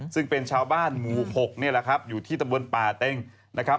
ซึ่งเป็นชาวบ้านหมู่๖นี่แหละครับอยู่ที่ตำบลป่าเต็งนะครับ